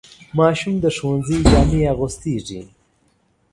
ماشوم د ښوونځي جامې اغوستېږي.